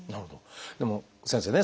でも先生ね